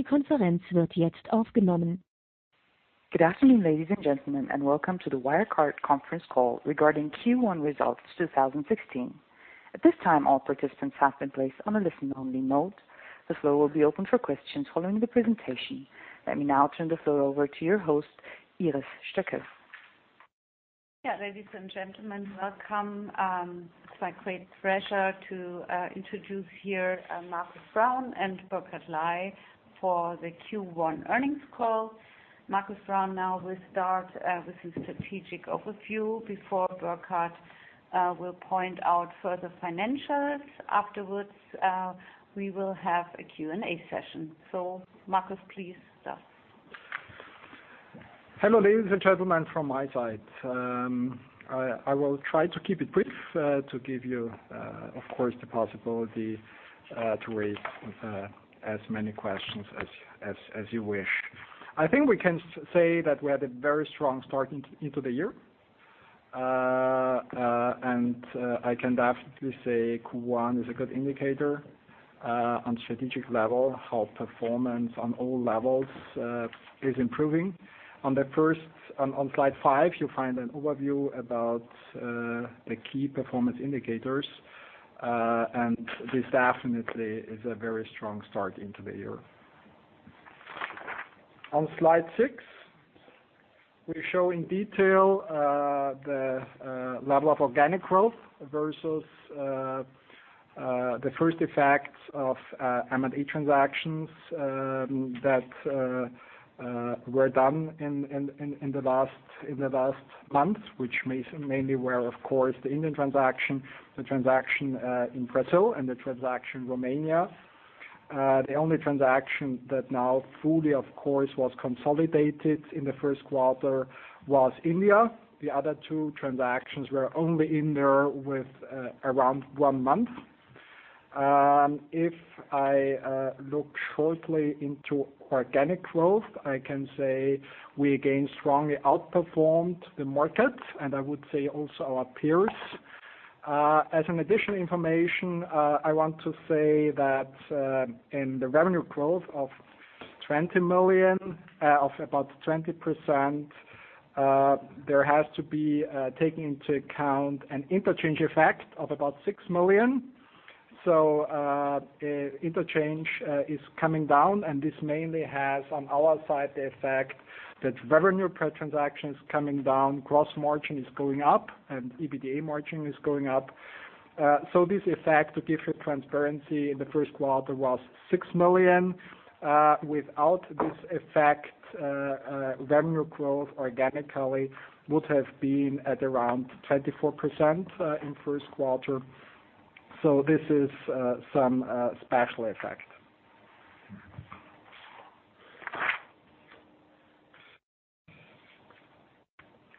Die Konferenz wird jetzt aufgenommen. Good afternoon, ladies and gentlemen, welcome to the Wirecard conference call regarding Q1 results 2016. At this time, all participants have been placed on a listen-only mode. The floor will be open for questions following the presentation. Let me now turn the floor over to your host, Iris Stöckl. Ladies and gentlemen, welcome. It's my great pleasure to introduce here, Markus Braun and Burkhard Ley for the Q1 earnings call. Markus Braun now will start with a strategic overview before Burkhard will point out further financials. Afterwards, we will have a Q&A session. Markus, please start. Hello, ladies and gentlemen, from my side. I will try to keep it brief, to give you, of course, the possibility to raise as many questions as you wish. I think we can say that we had a very strong start into the year. I can definitely say Q1 is a good indicator, on strategic level, how performance on all levels is improving. On slide five, you find an overview about the key performance indicators. This definitely is a very strong start into the year. On slide six, we show in detail the level of organic growth versus the first effects of M&A transactions that were done in the last month, which mainly were, of course, the Indian transaction, the transaction in Brazil, and the transaction in Romania. The only transaction that now fully, of course, was consolidated in the first quarter was India. The other two transactions were only in there with around one month. If I look shortly into organic growth, I can say we again strongly outperformed the market, and I would say also our peers. As an additional information, I want to say that, in the revenue growth of about 20%, there has to be taken into account an interchange effect of about 6 million. Interchange is coming down, and this mainly has, on our side, the effect that revenue per transaction is coming down, gross margin is going up, and EBITDA margin is going up. This effect, to give you transparency, in the first quarter, was 6 million. Without this effect, revenue growth organically would have been at around 24% in first quarter. This is some special effect.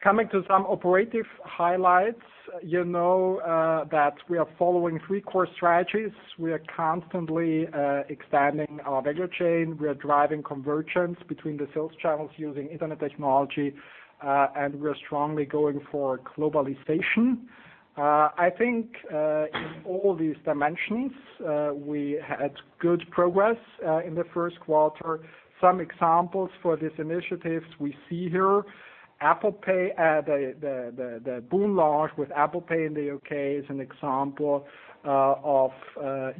Coming to some operative highlights. You know that we are following three core strategies. We are constantly expanding our value chain. We are driving convergence between the sales channels using internet technology, and we're strongly going for globalization. I think, in all these dimensions, we had good progress, in the first quarter. Some examples for these initiatives we see here. The boon launch with Apple Pay in the U.K. is an example of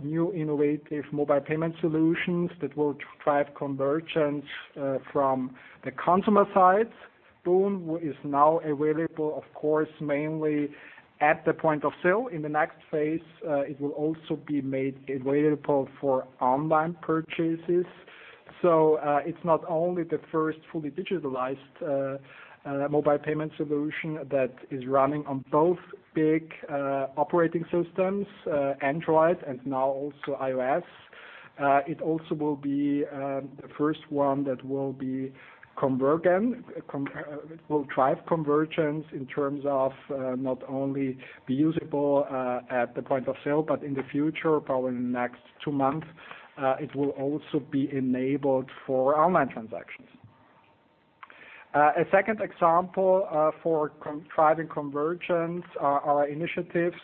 new innovative mobile payment solutions that will drive convergence from the consumer side. boon is now available, of course, mainly at the point of sale. In the next phase, it will also be made available for online purchases. It's not only the first fully digitalized mobile payment solution that is running on both big operating systems, Android and now also iOS. It also will be the first one that will drive convergence in terms of not only be usable at the point of sale, but in the future, probably in the next two months, it will also be enabled for online transactions. A second example for driving convergence are initiatives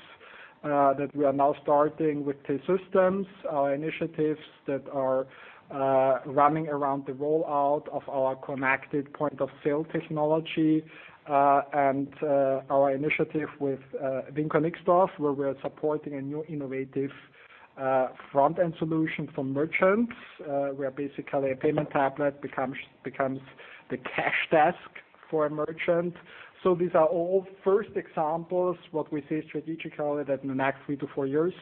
that we are now starting with T-Systems, are initiatives that are running around the rollout of our connected point of sale technology, and our initiative with Wincor Nixdorf, where we are supporting a new innovative front-end solution for merchants, where basically a payment tablet becomes the cash desk for a merchant. These are all first examples, what we see strategically that in the next three to four years,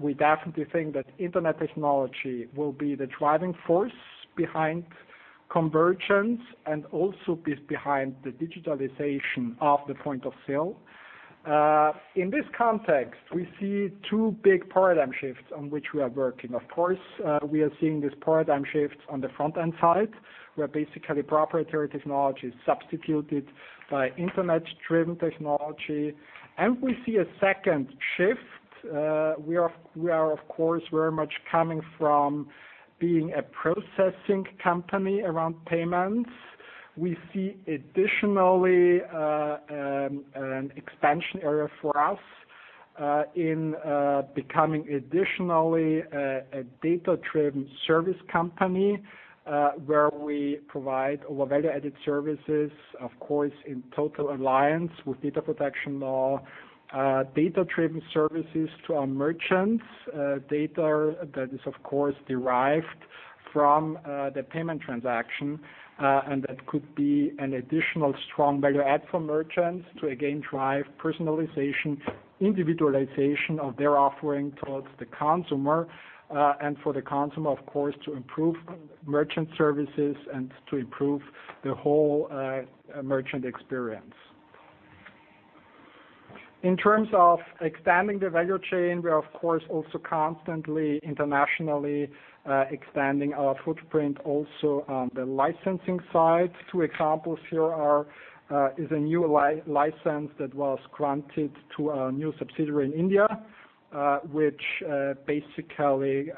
we definitely think that internet technology will be the driving force behind convergence and also behind the digitalization of the point of sale. In this context, we see two big paradigm shifts on which we are working. Of course, we are seeing these paradigm shifts on the front-end side, where basically proprietary technology is substituted by internet-driven technology. We see a second shift. We are of course, very much coming from being a processing company around payments. We see additionally, an expansion area for us in becoming additionally, a data-driven service company, where we provide our value-added services, of course, in total alliance with data protection law, data-driven services to our merchants, data that is, of course, derived from the payment transaction. That could be an additional strong value add for merchants to again drive personalization, individualization of their offering towards the consumer, and for the consumer, of course, to improve merchant services and to improve the whole merchant experience. In terms of expanding the value chain, we are of course, also constantly internationally expanding our footprint also on the licensing side. Two examples here is a new license that was granted to a new subsidiary in India, which basically,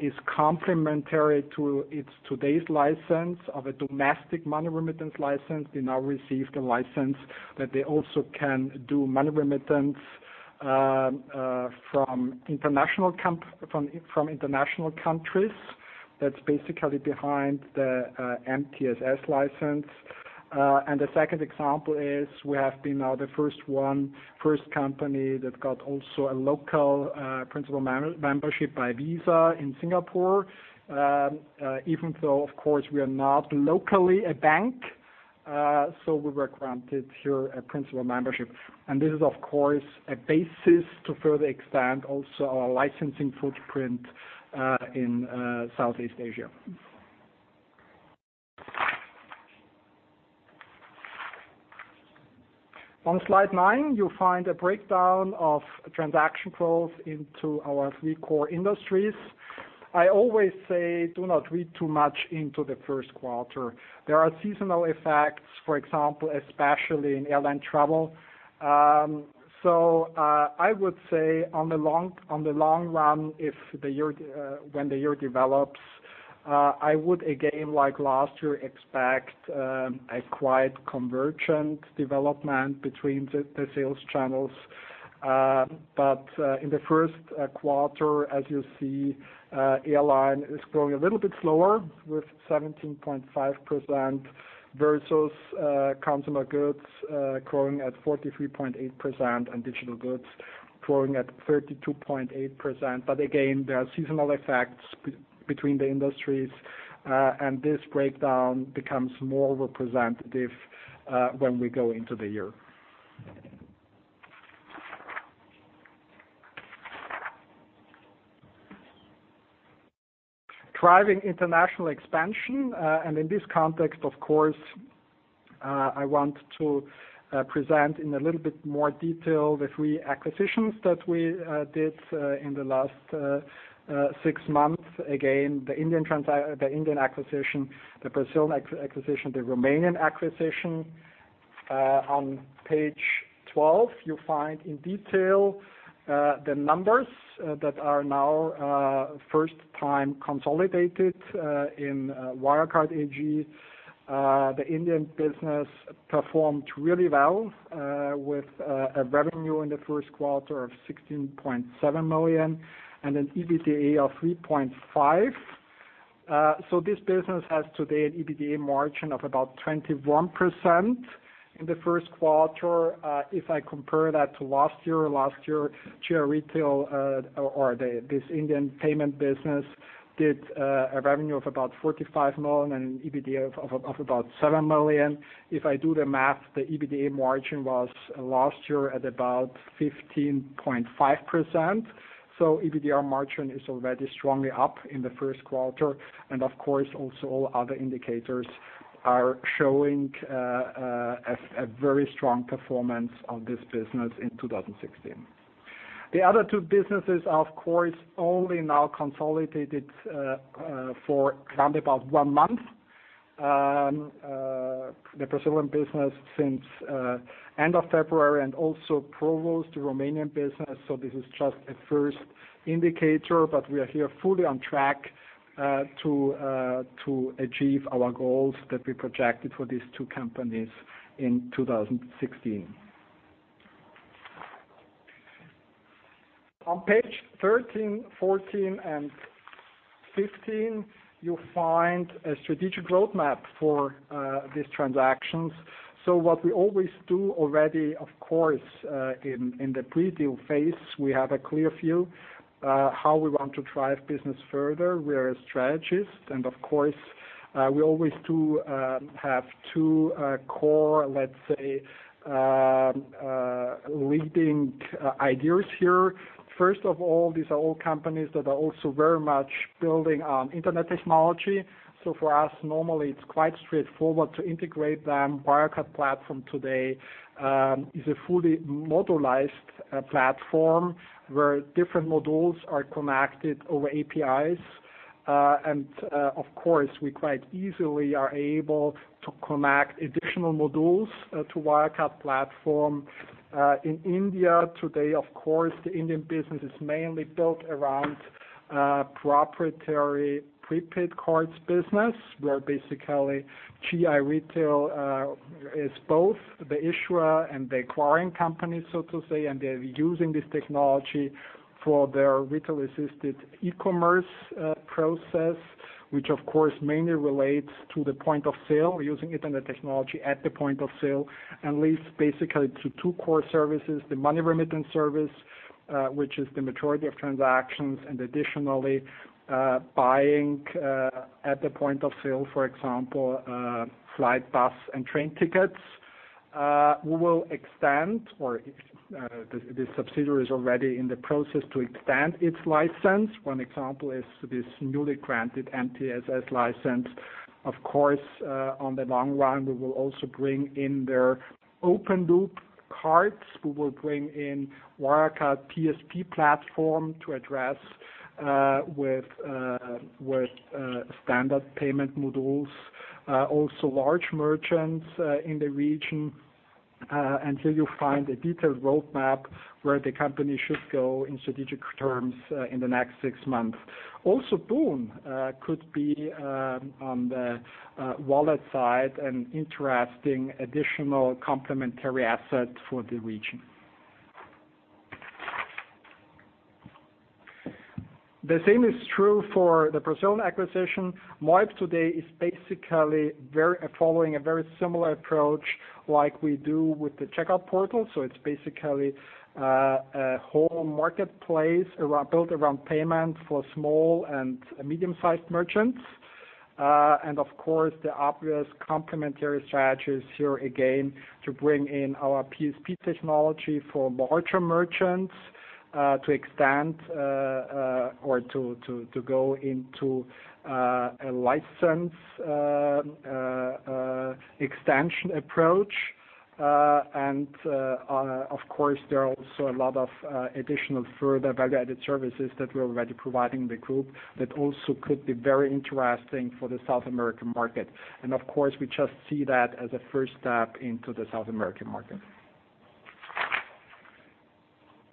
is complementary to its today's license of a domestic money remittance license. They now received a license that they also can do money remittance from international countries. That's basically behind the MTSS license. The second example is we have been now the first company that got also a local principal membership by Visa in Singapore, even though, of course, we are not locally a bank. We were granted here a principal membership. This is of course, a basis to further expand also our licensing footprint, in Southeast Asia. On slide nine, you'll find a breakdown of transaction growth into our three core industries. I always say do not read too much into the first quarter. There are seasonal effects, for example, especially in airline travel. I would say on the long run, when the year develops, I would again, like last year, expect a quite convergent development between the sales channels. In the first quarter, as you see, airline is growing a little bit slower with 17.5% versus consumer goods growing at 43.8% and digital goods growing at 32.8%. Again, there are seasonal effects between the industries. This breakdown becomes more representative when we go into the year. Driving international expansion, in this context, of course, I want to present in a little bit more detail the three acquisitions that we did in the last six months. Again, the Indian acquisition, the Brazilian acquisition, the Romanian acquisition. On page 12, you find in detail, the numbers that are now first time consolidated in Wirecard AG. The Indian business performed really well, with a revenue in the first quarter of 16.7 million and an EBITDA of 3.5 million. This business has today an EBITDA margin of about 21% in the first quarter. If I compare that to last year, last year, GI Retail, or this Indian payment business did a revenue of about 45 million and EBITDA of about 7 million. If I do the math, the EBITDA margin was last year at about 15.5%. EBITDA margin is already strongly up in the first quarter. Of course, also all other indicators are showing a very strong performance of this business in 2016. The other two businesses, of course, only now consolidated for around about one month. The Brazilian business since end of February and also Provus, the Romanian business. This is just a first indicator, but we are here fully on track to achieve our goals that we projected for these two companies in 2016. On page 13, 14, and 15, you'll find a strategic roadmap for these transactions. What we always do already, of course, in the pre-deal phase, we have a clear view, how we want to drive business further. We are a strategist. Of course, we always do have two core, let's say, leading ideas here. First of all, these are all companies that are also very much building on internet technology. For us, normally, it's quite straightforward to integrate them. Wirecard platform today, is a fully modularized platform where different modules are connected over APIs. Of course, we quite easily are able to connect additional modules to Wirecard platform. In India today, of course, the Indian business is mainly built around a proprietary prepaid cards business, where basically GI Retail is both the issuer and the acquiring company, so to say, and they are using this technology for their retail-assisted e-commerce process, which of course mainly relates to the point of sale, using it and the technology at the point of sale, and leads basically to two core services, the money remittance service, which is the majority of transactions, and additionally, buying, at the point of sale, for example, flight, bus, and train tickets. We will extend, or the subsidiary is already in the process to extend its license. One example is this newly granted MTSS license. Of course, on the long run, we will also bring in their open-loop cards. We will bring in Wirecard PSP platform to address with standard payment modules, also large merchants in the region, until you find a detailed roadmap where the company should go in strategic terms in the next six months. Also, boon could be, on the wallet side, an interesting additional complementary asset for the region. The same is true for the Brazilian acquisition. Moip today is basically following a very similar approach like we do with the Checkout Portal. It is basically a whole marketplace built around payment for small and medium-sized merchants. Of course, the obvious complementary strategy is here again to bring in our PSP technology for larger merchants to extend, or to go into a license extension approach. Of course, there are also a lot of additional further value-added services that we are already providing the group that also could be very interesting for the South American market. Of course, we just see that as a first step into the South American market.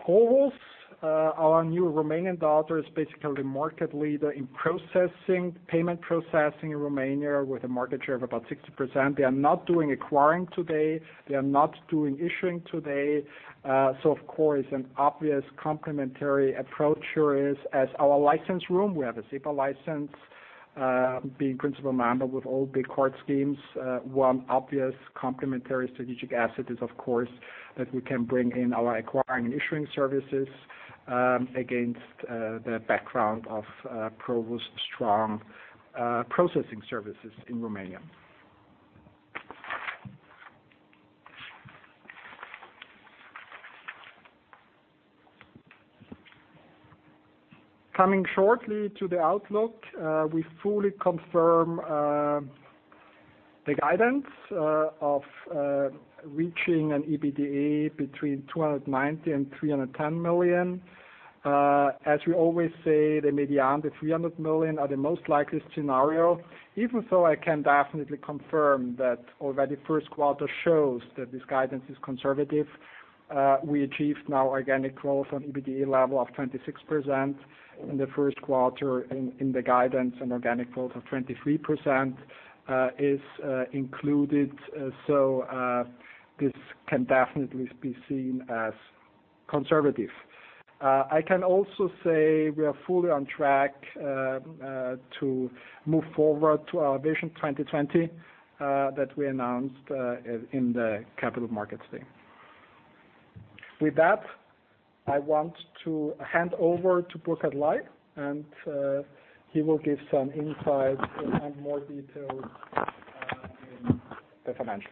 Provus, our new Romanian daughter, is basically market leader in payment processing in Romania, with a market share of about 60%. They are not doing acquiring today. They are not doing issuing today. Of course, an obvious complementary approach here is as our license room, we have a SEPA license, being principal member with all big card schemes. One obvious complementary strategic asset is, of course, that we can bring in our acquiring and issuing services, against the background of Provus' strong processing services in Romania. Coming shortly to the outlook. We fully confirm the guidance of reaching an EBITDA between 290 million-310 million. As we always say, the median, the 300 million are the most likeliest scenario. Even so, I can definitely confirm that already first quarter shows that this guidance is conservative. We achieved now organic growth on EBITDA level of 26% in the first quarter, in the guidance, an organic growth of 23% is included. This can definitely be seen as conservative. I can also say we are fully on track to move forward to our Vision 2020, that we announced in the Capital Markets Day. With that, I want to hand over to Burkhard Ley, he will give some insights and more details in the financials.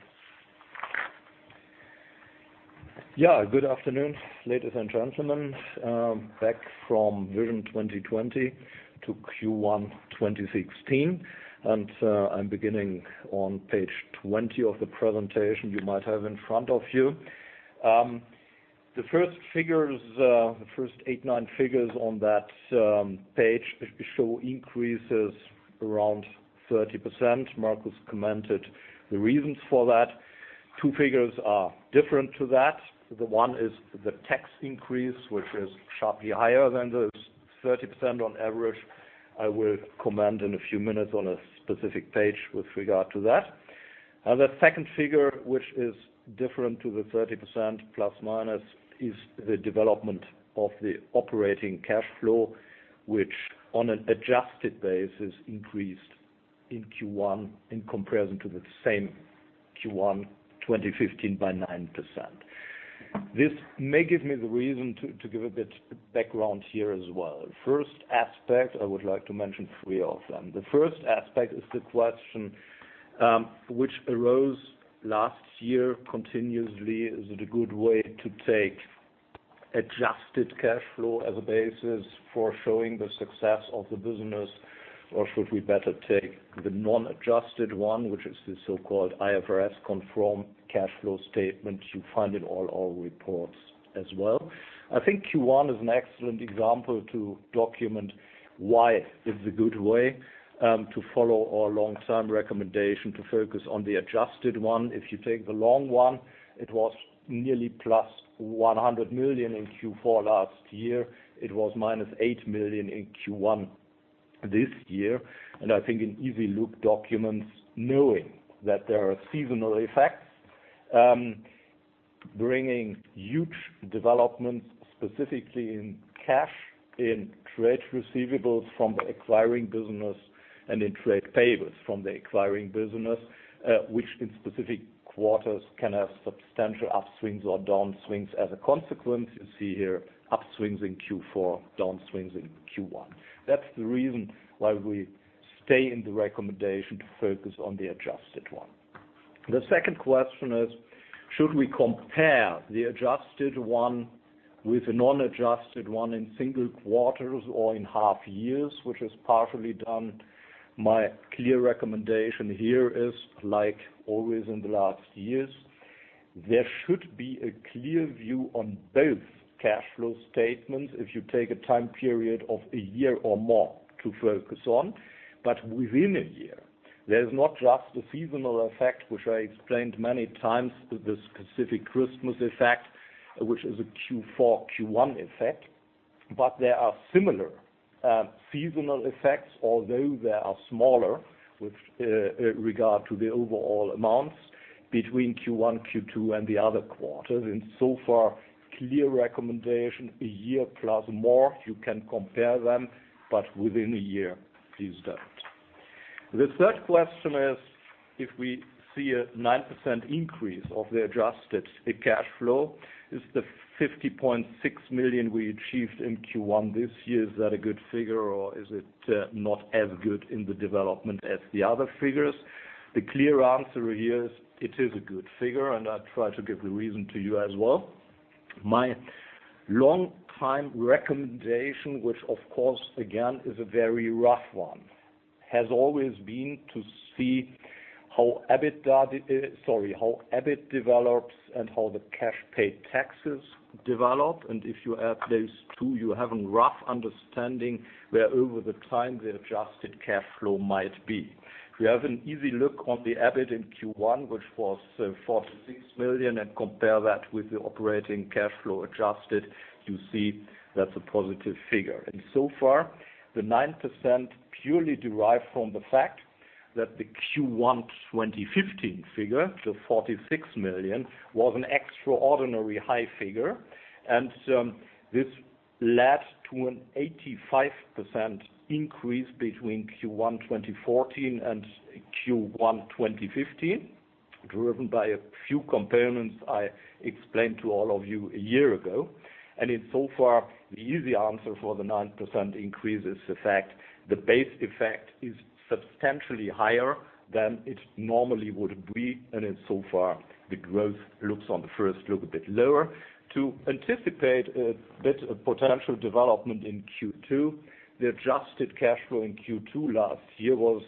Good afternoon, ladies and gentlemen. Back from Vision 2020 to Q1 2016. I'm beginning on page 20 of the presentation you might have in front of you. The first eight, nine figures on that page show increases around 30%. Markus commented the reasons for that. Two figures are different to that. The one is the tax increase, which is sharply higher than those 30% on average. I will comment in a few minutes on a specific page with regard to that. The second figure, which is different to the 30% plus/minus, is the development of the operating cash flow, which on an adjusted basis increased in Q1 in comparison to the same Q1 2015 by 9%. This may give me the reason to give a bit background here as well. First aspect, I would like to mention three of them. The first aspect is the question which arose last year continuously. Is it a good way to take adjusted cash flow as a basis for showing the success of the business? Or should we better take the non-adjusted one, which is the so-called IFRS confirmed cash flow statement. You find it in all our reports as well. I think Q1 is an excellent example to document why it is a good way to follow our long-term recommendation to focus on the adjusted one. If you take the long one, it was nearly plus 100 million in Q4 last year. It was minus 8 million in Q1. This year, I think an easy look documents knowing that there are seasonal effects bringing huge developments, specifically in cash, in trade receivables from the acquiring business, and in trade payables from the acquiring business, which in specific quarters can have substantial upswings or downswings as a consequence. You see here upswings in Q4, downswings in Q1. That's the reason why we stay in the recommendation to focus on the adjusted one. The second question is: Should we compare the adjusted one with a non-adjusted one in single quarters or in half years, which is partially done? My clear recommendation here is, like always in the last years, there should be a clear view on both cash flow statements if you take a time period of a year or more to focus on. Within a year, there is not just a seasonal effect, which I explained many times, the specific Christmas effect, which is a Q4-Q1 effect, but there are similar seasonal effects, although they are smaller with regard to the overall amounts between Q1, Q2, and the other quarters. In so far, clear recommendation, a year plus more, you can compare them, but within a year, please don't. The third question is, if we see a 9% increase of the adjusted, A cash flow, is the 50.6 million we achieved in Q1 this year, is that a good figure or is it not as good in the development as the other figures? The clear answer here is it is a good figure, I'll try to give the reason to you as well. My long-time recommendation, which of course, again, is a very rough one, has always been to see how EBIT develops and how the cash paid taxes develop. If you add those two, you have a rough understanding where over the time the adjusted cash flow might be. If you have an easy look on the EBIT in Q1, which was 46 million, and compare that with the operating cash flow adjusted, you see that is a positive figure. Insofar, the 9% purely derived from the fact that the Q1 2015 figure, the 46 million, was an extraordinary high figure, and this led to an 85% increase between Q1 2014 and Q1 2015, driven by a few components I explained to all of you a year ago. Insofar, the easy answer for the 9% increase is the fact the base effect is substantially higher than it normally would have been. Insofar, the growth looks on the first look a bit lower. To anticipate a bit of potential development in Q2, the adjusted cash flow in Q2 last year was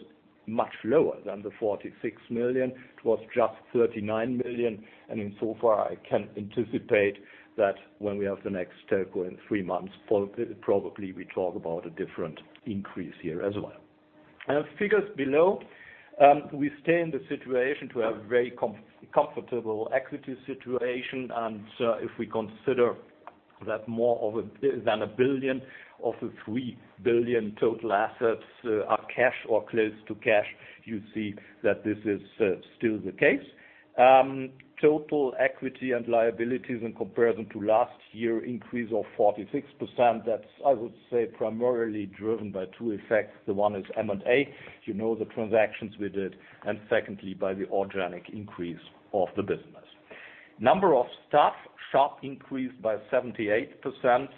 much lower than the 46 million. It was just 39 million. Insofar, I can anticipate that when we have the next teleco in three months, probably we talk about a different increase here as well. Figures below, we stay in the situation to have very comfortable equity situation. If we consider that more than a billion of the 3 billion total assets are cash or close to cash, you see that this is still the case. Total equity and liabilities in comparison to last year increase of 46%. That is, I would say, primarily driven by two effects. The one is M&A, you know the transactions we did, and secondly, by the organic increase of the business. Number of staff, sharp increase by 78%,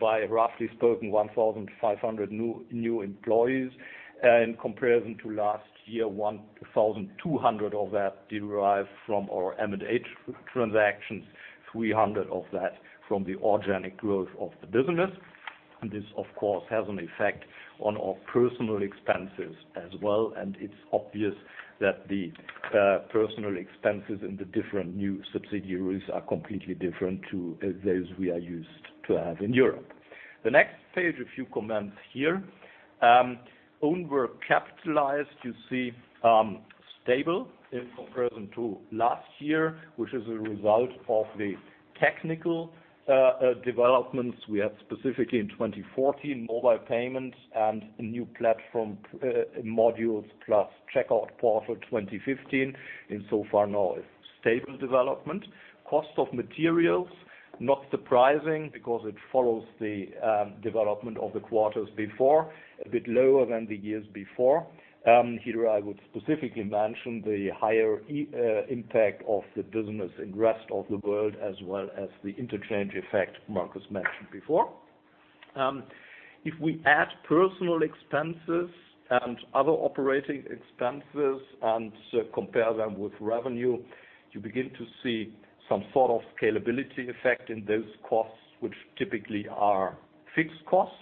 by roughly spoken 1,500 new employees. In comparison to last year, 1,200 of that derived from our M&A transactions, 300 of that from the organic growth of the business. This, of course, has an effect on our personnel expenses as well, and it is obvious that the personnel expenses in the different new subsidiaries are completely different to those we are used to have in Europe. The next page, a few comments here. Own work capitalized, you see, stable in comparison to last year, which is a result of the technical developments we had specifically in 2014, mobile payments and a new platform modules plus Checkout Portal 2015, insofar now a stable development. Cost of materials, not surprising because it follows the development of the quarters before, a bit lower than the years before. Here I would specifically mention the higher impact of the business in rest of the world, as well as the interchange effect Markus mentioned before. If we add personnel expenses and other operating expenses and compare them with revenue, you begin to see some sort of scalability effect in those costs, which typically are fixed cost,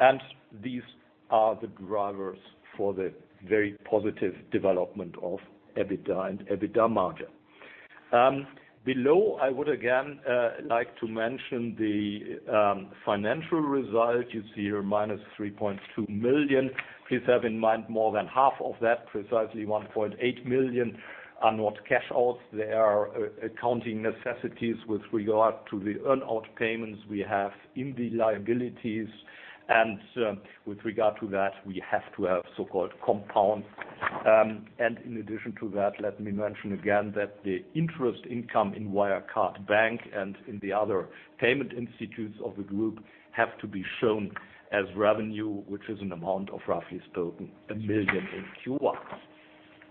and these are the drivers for the very positive development of EBITDA and EBITDA margin. Below, I would again like to mention the financial result. You see here minus 3.2 million. Please have in mind more than half of that, precisely 1.8 million, are not cash outs. They are accounting necessities with regard to the earn-out payments we have in the liabilities. With regard to that, we have to have so-called compounds. In addition to that, let me mention again that the interest income in Wirecard Bank and in the other payment institutes of the group have to be shown as revenue, which is an amount of roughly spoken 1 million in Q1.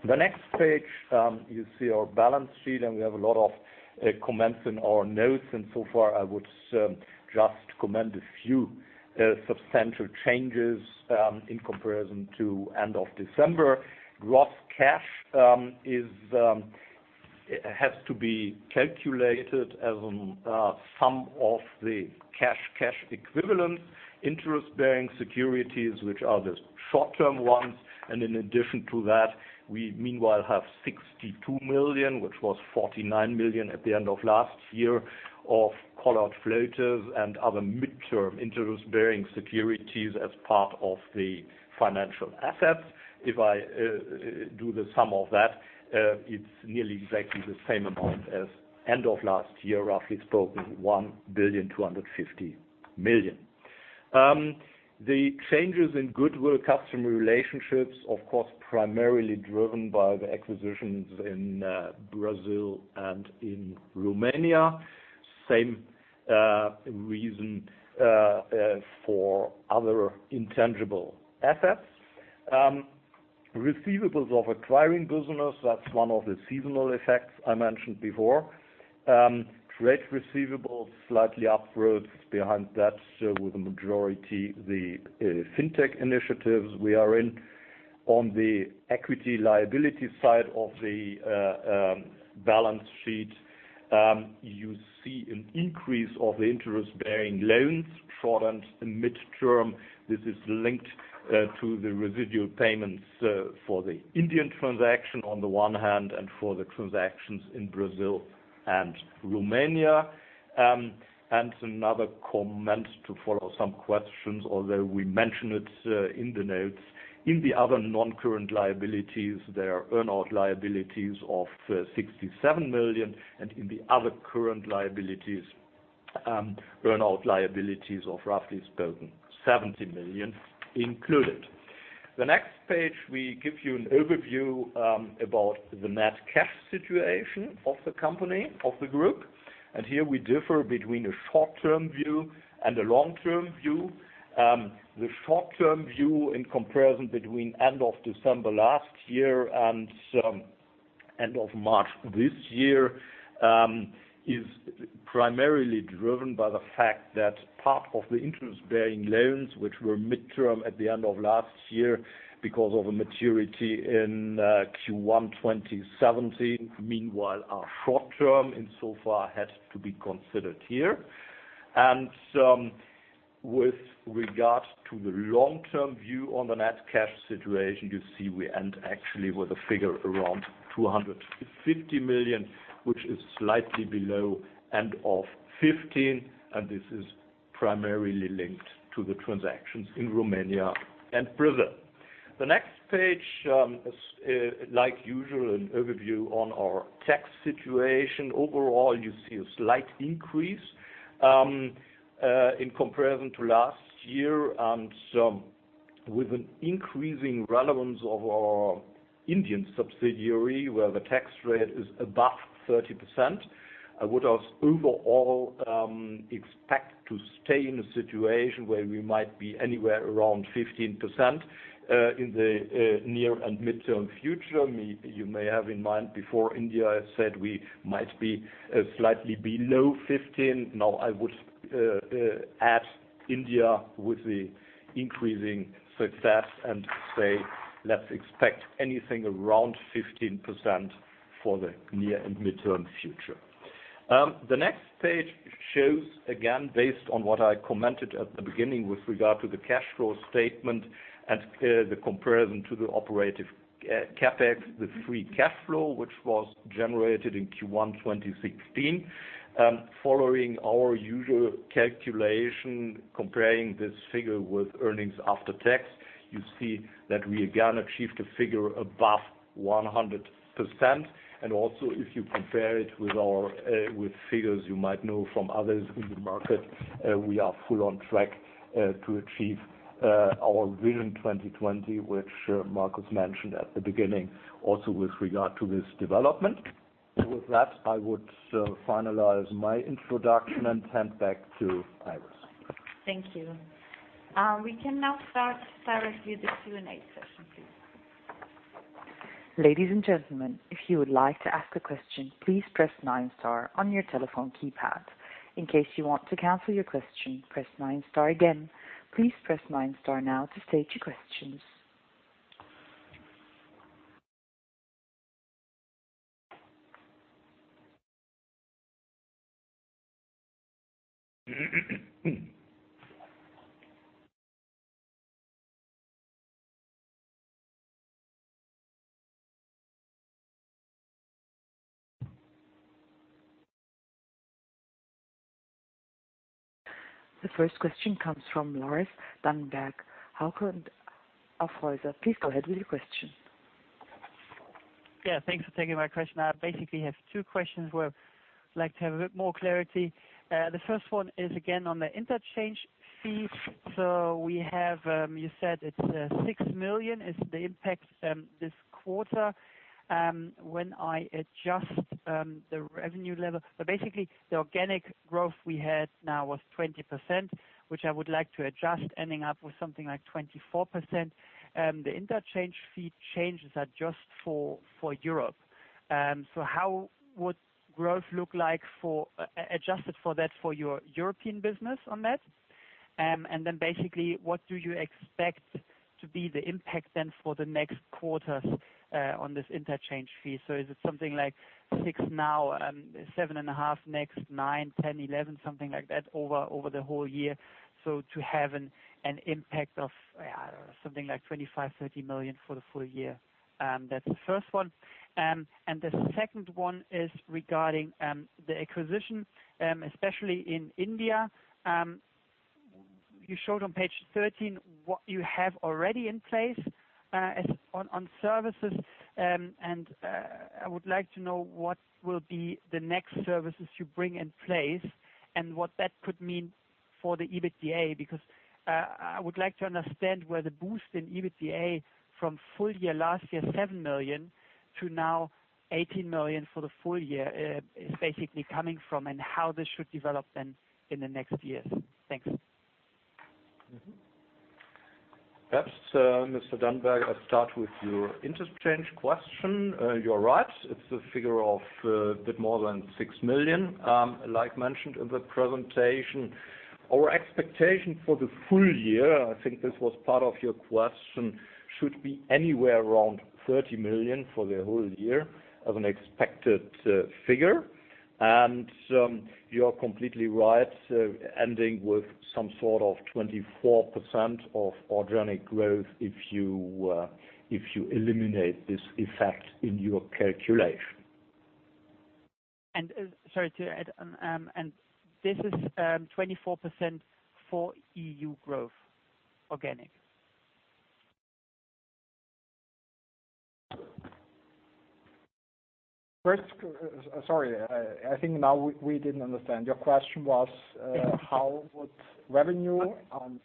Next page, you see our balance sheet, we have a lot of comments in our notes. So far, I would just comment a few substantial changes in comparison to end of December. Gross cash has to be calculated as a sum of the cash equivalents, interest-bearing securities, which are the short-term ones. In addition to that, we meanwhile have 62 million, which was 49 million at the end of last year, of callable floaters and other mid-term interest-bearing securities as part of the financial assets. If I do the sum of that, it's nearly exactly the same amount as end of last year, roughly spoken, 1.25 billion. The changes in goodwill customer relationships, of course, primarily driven by the acquisitions in Brazil and in Romania. Same reason for other intangible assets. Receivables of acquiring business, that's one of the seasonal effects I mentioned before. Trade receivables slightly up. Behind that with the majority the FinTech initiatives we are in. On the equity liability side of the balance sheet, you see an increase of the interest-bearing loans, short and mid-term. This is linked to the residual payments for the Indian transaction on the one hand, and for the transactions in Brazil and Romania. Another comment to follow some questions, although we mention it in the notes. In the other non-current liabilities, there are earn-out liabilities of 67 million, in the other current liabilities, earn-out liabilities of roughly spoken 70 million included. Next page, we give you an overview about the net cash situation of the company, of the group. Here we differ between a short-term view and a long-term view. The short-term view in comparison between end of December last year and end of March this year is primarily driven by the fact that part of the interest-bearing loans which were mid-term at the end of last year because of a maturity in Q1 2017, meanwhile are short-term and so far had to be considered here. With regards to the long-term view on the net cash situation, you see we end actually with a figure around 250 million, which is slightly below end of 2015, this is primarily linked to the transactions in Romania and Brazil. Next page is, like usual, an overview on our tax situation. Overall, you see a slight increase in comparison to last year, with an increasing relevance of our Indian subsidiary, where the tax rate is above 30%. I would have overall expect to stay in a situation where we might be anywhere around 15% in the near and mid-term future. You may have in mind before India said we might be slightly below 15%. Now I would add India with the increasing success and say let's expect anything around 15% for the near and mid-term future. The next page shows, again, based on what I commented at the beginning with regard to the cash flow statement and the comparison to the operative CapEx, the free cash flow, which was generated in Q1 2016. Following our usual calculation comparing this figure with earnings after tax, you see that we again achieved a figure above 100%. Also if you compare it with figures you might know from others in the market, we are full on track to achieve our Vision 2020, which Markus mentioned at the beginning, also with regard to this development. With that, I would finalize my introduction and hand back to Iris. Thank you. We can now start with the Q&A session, please. Ladies and gentlemen, if you would like to ask a question, please press nine star on your telephone keypad. In case you want to cancel your question, press nine star again. Please press nine star now to state your questions. The first question comes from Lars Dannenberg, Hauck & Aufhäuser. Please go ahead with your question. Thanks for taking my question. I basically have two questions where I would like to have a bit more clarity. The first one is again on the interchange fee. You said it is 6 million is the impact this quarter, when I adjust the revenue level. Basically, the organic growth we had now was 20%, which I would like to adjust ending up with something like 24%. The interchange fee changes are just for Europe. How would growth look like, adjusted for that, for your European business on that? What do you expect to be the impact then for the next quarters on this interchange fee? Is it something like 6 now, 7.5 next, 9, 10, 11, something like that over the whole year? To have an impact of something like 25 million-30 million for the full year. That is the first one. The second one is regarding the acquisition, especially in India. You showed on page 13 what you have already in place on services. I would like to know what will be the next services you bring in place and what that could mean for the EBITDA, because I would like to understand where the boost in EBITDA from full year, last year, 7 million to now 16 million for the full year, is basically coming from and how this should develop then in the next years. Thanks. Perhaps, Mr. Dannenberg, I will start with your interchange question. You are right, it is a figure of a bit more than 6 million, like mentioned in the presentation. Our expectation for the full year, I think this was part of your question, should be anywhere around 30 million for the whole year of an expected figure. You are completely right, ending with some sort of 24% of organic growth if you eliminate this effect in your calculation. Sorry to add, this is 24% for EU growth, organic. Sorry. I think now we didn't understand. Your question was, how would revenue,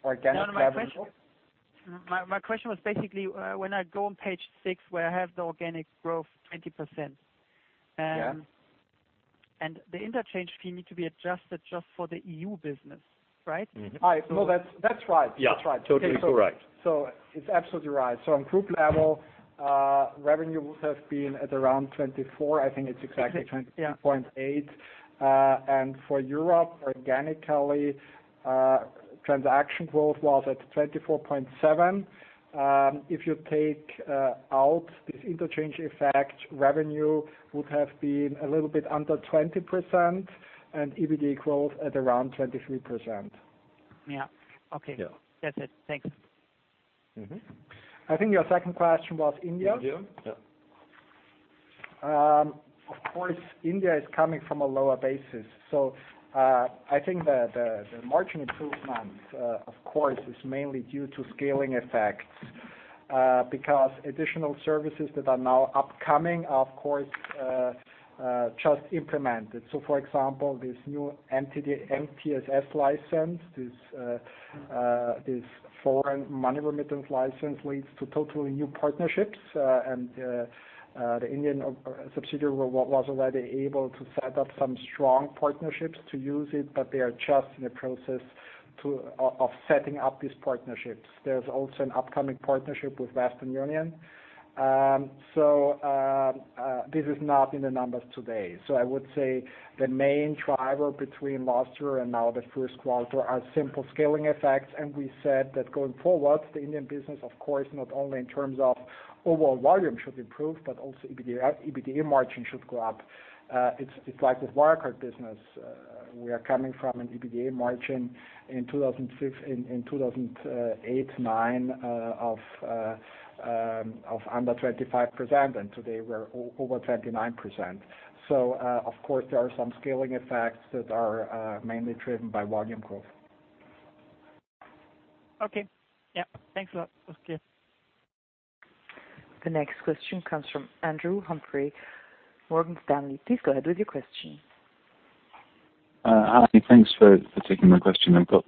organic revenue- my question was basically, when I go on page six, where I have the organic growth 20%- Yeah the interchange fee need to be adjusted just for the EU business, right? that's right. Yeah. That's right. Totally correct. It's absolutely right. On group level, revenue would have been at around 24%. Yeah 24.8%. For Europe, organically, transaction growth was at 24.7%. If you take out this interchange effect, revenue would have been a little bit under 20% and EBITDA growth at around 23%. Yeah. Okay. Yeah. That's it. Thanks. I think your second question was India. India. Yeah. Of course, India is coming from a lower basis. I think the margin improvements, of course, is mainly due to scaling effects, because additional services that are now upcoming are, of course, just implemented. For example, this new MTSS license, this foreign money remittance license leads to totally new partnerships. The Indian subsidiary was already able to set up some strong partnerships to use it, but they are just in the process of setting up these partnerships. There is also an upcoming partnership with Western Union. This is not in the numbers today. I would say the main driver between last year and now the first quarter are simple scaling effects. We said that going forward, the Indian business, of course, not only in terms of overall volume should improve, but also EBITDA margin should go up. It is like with Wirecard business. We are coming from an EBITDA margin in 2008/9 of under 25%, and today we are over 29%. Of course, there are some scaling effects that are mainly driven by volume growth. Okay. Yeah. Thanks a lot. The next question comes from Andrew Humphrey, Morgan Stanley. Please go ahead with your question. Hi. Thanks for taking my question. I've got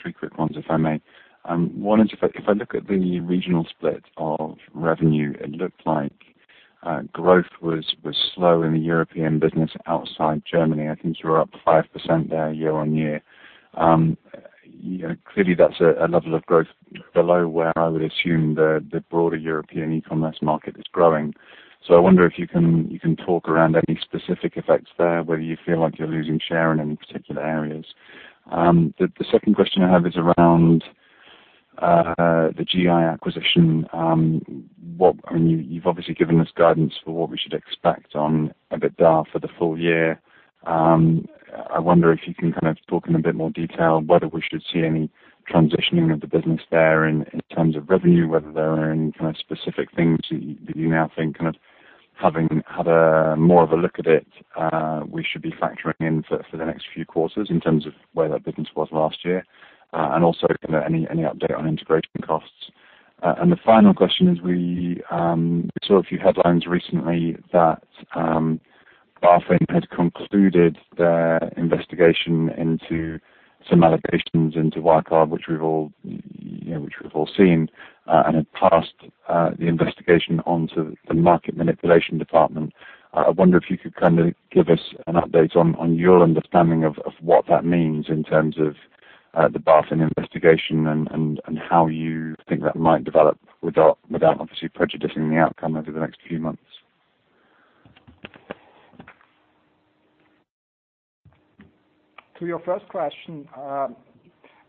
three quick ones, if I may. One is, if I look at the regional split of revenue, it looked like growth was slow in the European business outside Germany. I think you were up 5% there year-on-year. Clearly that's a level of growth below where I would assume the broader European e-commerce market is growing. I wonder if you can talk around any specific effects there, whether you feel like you're losing share in any particular areas. The second question I have is around the GI acquisition. You've obviously given us guidance for what we should expect on EBITDA for the full year. I wonder if you can talk in a bit more detail whether we should see any transitioning of the business there in terms of revenue, whether there are any specific things that you now think, having had more of a look at it, we should be factoring in for the next few quarters in terms of where that business was last year. Also, any update on integration costs. The final question is, we saw a few headlines recently that BaFin had concluded their investigation into some allegations into Wirecard, which we've all seen, and had passed the investigation onto the market manipulation department. I wonder if you could give us an update on your understanding of what that means in terms of the BaFin investigation and how you think that might develop without obviously prejudicing the outcome over the next few months. To your first question.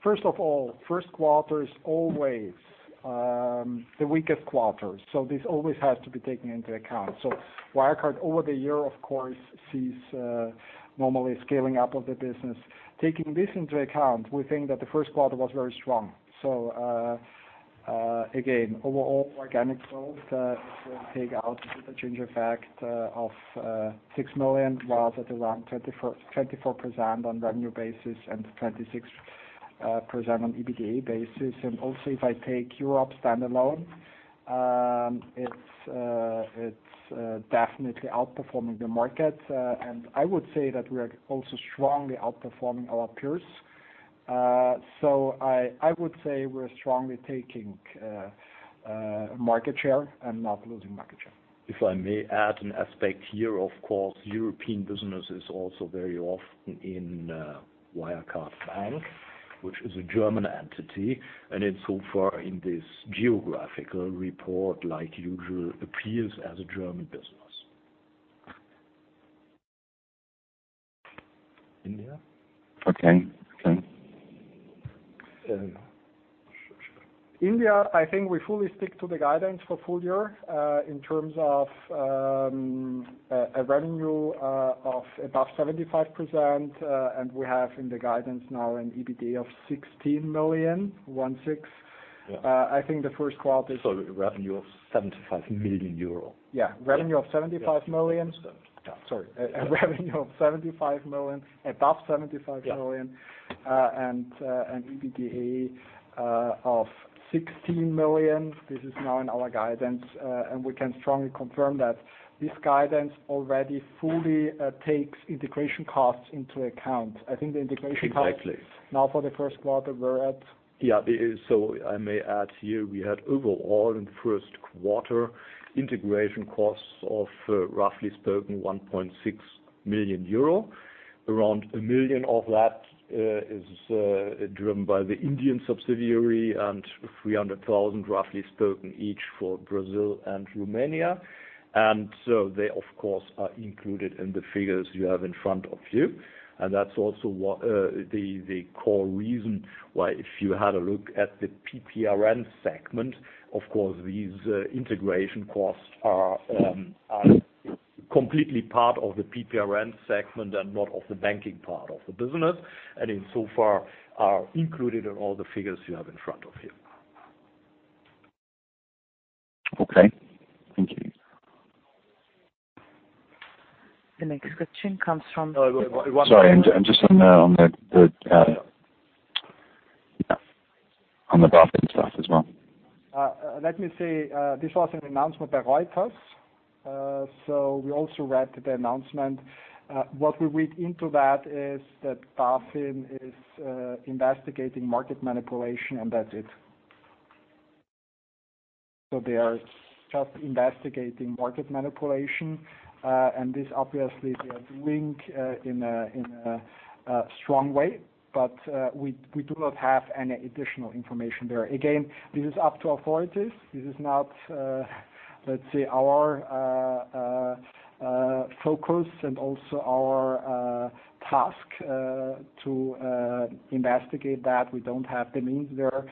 First of all, first quarter is always the weakest quarter, this always has to be taken into account. Wirecard over the year, of course, sees normally scaling up of the business. Taking this into account, we think that the first quarter was very strong. Again, overall organic growth, if we take out the change effect of 6 million, was at around 24% on revenue basis and 26% on EBITDA basis. Also, if I take Europe standalone, it's definitely outperforming the market. I would say that we are also strongly outperforming our peers. I would say we're strongly taking market share and not losing market share. If I may add an aspect here, of course, European business is also very often in Wirecard Bank, which is a German entity, and insofar in this geographical report, like usual, appears as a German business. India. Okay. India, I think we fully stick to the guidance for full-year, in terms of a revenue of above 75 million, and we have in the guidance now an EBITDA of 16 million, one six. I think the first quarter- Revenue of 75 million euro. Yeah. Revenue of 75 million. Yeah. Sorry. A revenue of 75 million, above 75 million. Yeah. EBITDA of 16 million. This is now in our guidance, and we can strongly confirm that this guidance already fully takes integration costs into account. I think the integration costs Exactly now for the first quarter were at I may add here, we had overall in the first quarter integration costs of roughly spoken 1.6 million euro. Around 1 million of that is driven by the Indian subsidiary and 300,000, roughly spoken, each for Brazil and Romania. They of course, are included in the figures you have in front of you. That's also the core reason why if you had a look at the PP&RM segment, of course, these integration costs are completely part of the PP&RM segment and not of the banking part of the business, and in so far are included in all the figures you have in front of you. Okay. Thank you. The next question comes from- Sorry. Just on the BaFin stuff as well. Let me say, this was an announcement by Reuters. We also read the announcement. What we read into that is that BaFin is investigating market manipulation, and that's it. They are just investigating market manipulation. This obviously they are doing in a strong way, but we do not have any additional information there. Again, this is up to authorities. This is not, let's say, our focus and also our task to investigate that. We don't have the means there.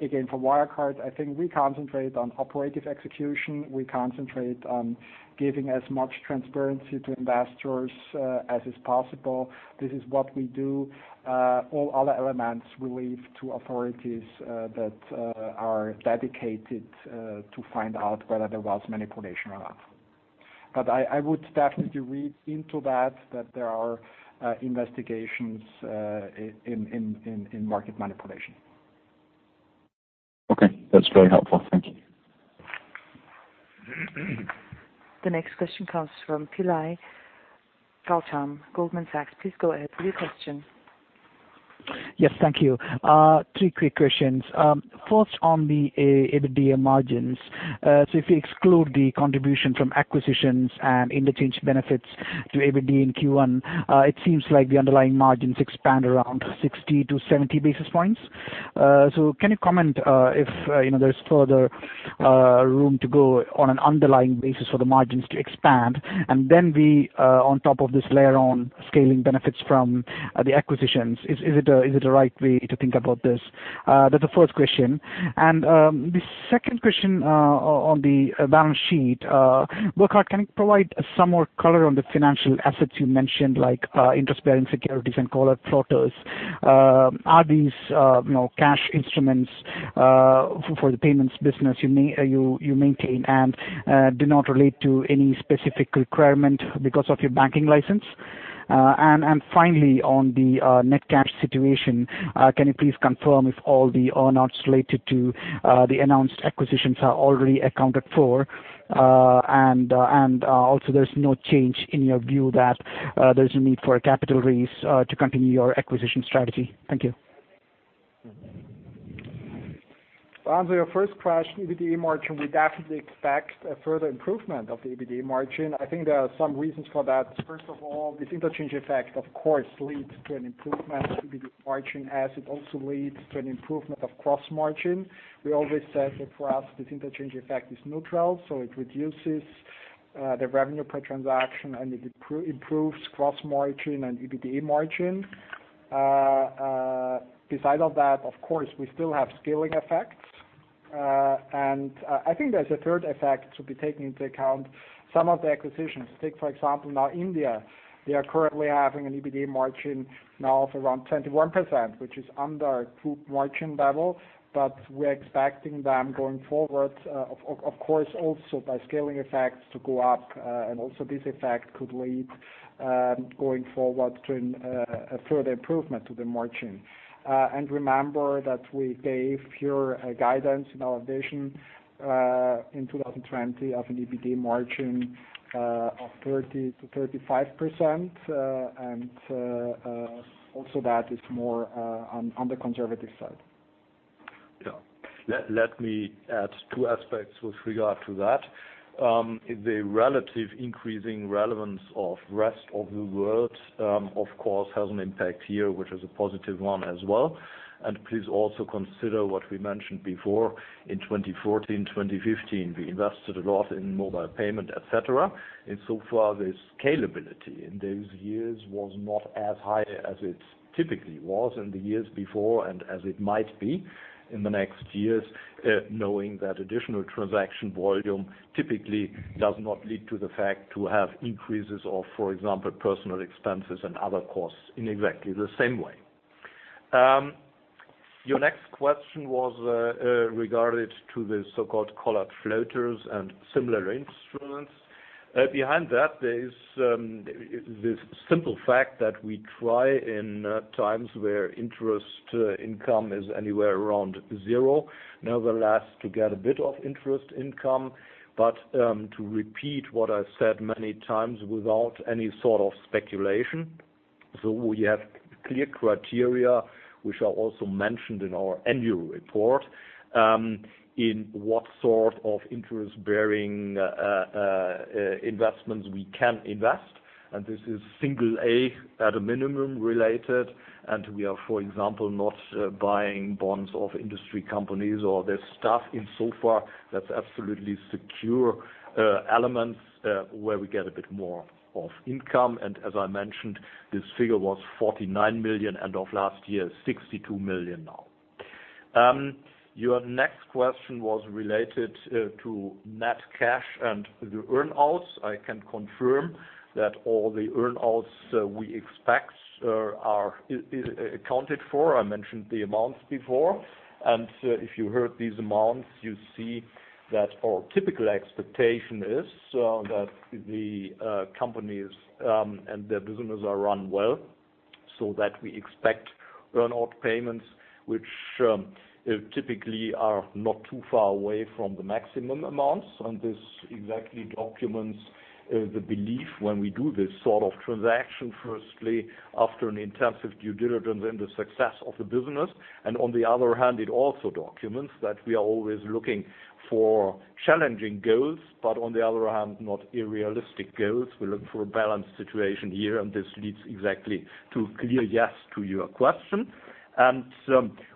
Again, for Wirecard, I think we concentrate on operative execution. We concentrate on giving as much transparency to investors as is possible. This is what we do. All other elements we leave to authorities that are dedicated to find out whether there was manipulation or not. I would definitely read into that there are investigations in market manipulation. Okay. That's very helpful. Thank you. The next question comes from Gautam Pillai, Goldman Sachs. Please go ahead with your question. Yes. Thank you. Three quick questions. First, on the EBITDA margins. If you exclude the contribution from acquisitions and interchange benefits to EBITDA in Q1, it seems like the underlying margins expand around 60-70 basis points. Can you comment if there's further room to go on an underlying basis for the margins to expand and then we on top of this layer on scaling benefits from the acquisitions? Is it the right way to think about this? That's the first question. The second question on the balance sheet. Burkhard, can you provide some more color on the financial assets you mentioned, like interest-bearing securities and callable floaters? Are these cash instruments for the payments business you maintain and do not relate to any specific requirement because of your banking license? Finally, on the net cash situation, can you please confirm if all the earnouts related to the announced acquisitions are already accounted for? Also, there's no change in your view that there's a need for a capital raise to continue your acquisition strategy. Thank you. To answer your first question, EBITDA margin, we definitely expect a further improvement of the EBITDA margin. I think there are some reasons for that. First of all, this interchange effect, of course, leads to an improvement of EBITDA margin as it also leads to an improvement of gross margin. We always said that for us, this interchange effect is neutral, it reduces the revenue per transaction and it improves gross margin and EBITDA margin. Besides that, of course, we still have scaling effects. I think there's a third effect to be taken into account. Some of the acquisitions, take for example, now India, we are currently having an EBITDA margin of around 21%, which is under group margin level, but we are expecting them going forward, of course, also by scaling effects to go up, and also this effect could lead, going forward, to a further improvement to the margin. Remember that we gave here a guidance in our Vision 2020 of an EBITDA margin of 30%-35%, and also that is more on the conservative side. Let me add two aspects with regard to that. The relative increasing relevance of rest of the world, of course, has an impact here, which is a positive one as well. Please also consider what we mentioned before. In 2014, 2015, we invested a lot in mobile payment, et cetera. So far, the scalability in those years was not as high as it typically was in the years before and as it might be in the next years, knowing that additional transaction volume typically does not lead to the fact to have increases of, for example, personal expenses and other costs in exactly the same way. Your next question was regarded to the so-called callable floaters and similar instruments. Behind that, there is this simple fact that we try in times where interest income is anywhere around zero, nevertheless, to get a bit of interest income. To repeat what I've said many times without any sort of speculation. We have clear criteria, which are also mentioned in our annual report, in what sort of interest-bearing investments we can invest. This is single A at a minimum related. We are, for example, not buying bonds of industry companies or their stuff in so far that's absolutely secure elements where we get a bit more of income. As I mentioned, this figure was 49 million, end of last year, 62 million now. Your next question was related to net cash and the earnouts. I can confirm that all the earnouts we expect are accounted for. I mentioned the amounts before. If you heard these amounts, you see that our typical expectation is so that the companies and their businesses are run well, so that we expect earnout payments, which typically are not too far away from the maximum amounts. This exactly documents the belief when we do this sort of transaction, firstly, after an intensive due diligence and the success of the business. On the other hand, it also documents that we are always looking for challenging goals, but on the other hand, not unrealistic goals. We look for a balanced situation here, this leads exactly to clear yes to your question.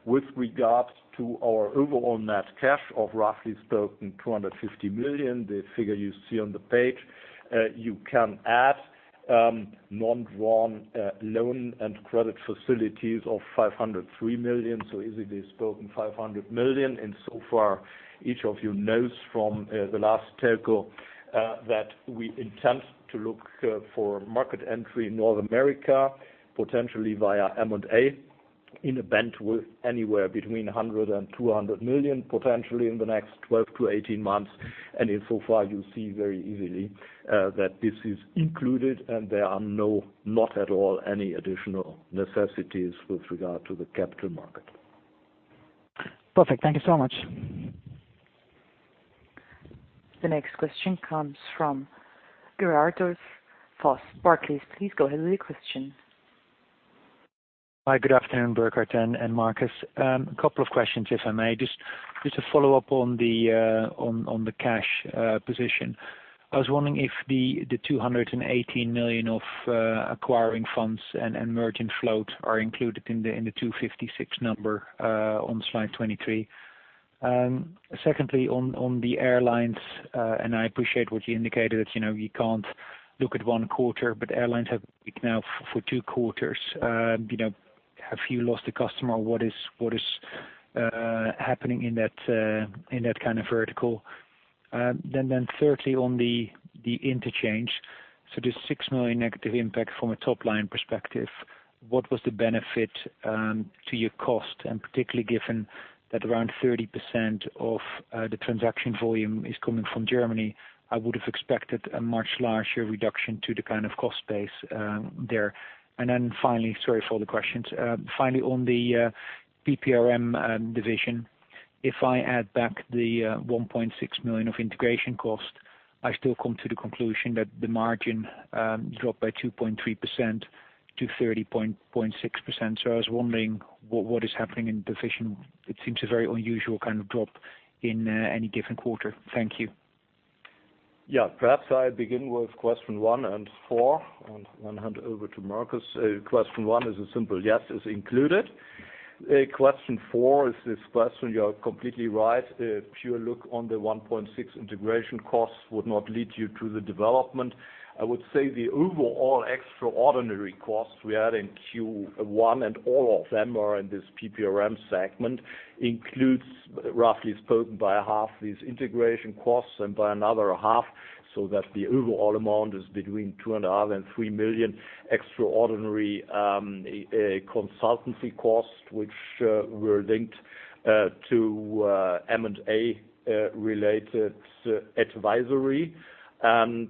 With regards to our overall net cash of roughly spoken 250 million, the figure you see on the page, you can add non-drawn loan and credit facilities of 503 million, so easily spoken 500 million. So far, each of you knows from the last telco that we intend to look for market entry in North America, potentially via M&A in a band anywhere between 100 million and 200 million, potentially in the next 12-18 months. In so far, you see very easily that this is included, and there are not at all any additional necessities with regard to the capital market. Perfect. Thank you so much. The next question comes from Gerardus Vos, Barclays. Please go ahead with your question. Hi, good afternoon, Burkhard and Markus. A couple of questions, if I may. Just to follow up on the cash position. I was wondering if the 218 million of acquiring funds and merchant float are included in the 256 number on slide 23. Secondly, on the airlines, I appreciate what you indicated that you can't look at one quarter, but airlines have now for two quarters. Have you lost a customer? What is happening in that kind of vertical. Thirdly, on the interchange. The six million negative impact from a top-line perspective, what was the benefit to your cost? Particularly given that around 30% of the transaction volume is coming from Germany, I would have expected a much larger reduction to the kind of cost base there. Finally, sorry for all the questions. Finally, on the PP&RM division, if I add back the 1.6 million of integration cost, I still come to the conclusion that the margin dropped by 2.3% to 30.6%. I was wondering what is happening in division. It seems a very unusual kind of drop in any different quarter. Thank you. Perhaps I begin with question one and four, and then hand over to Markus. Question one is a simple yes, is included. Question four is this question, you are completely right. A pure look on the 1.6 million integration costs would not lead you to the development. I would say the overall extraordinary costs we had in Q1, and all of them are in this PP&RM segment, includes, roughly spoken, by a half these integration costs and by another half, so that the overall amount is between two and a half million and 3 million extraordinary consultancy costs, which were linked to M&A-related advisory. Insofar,